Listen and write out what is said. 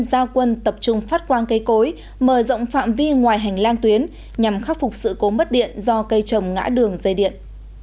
giao quân tập trung phát quang cây cối mở rộng phạm vi ngoài hành lang tuyến nhằm khắc phục sự cố mất điện do cây trồng ngã đường dây điện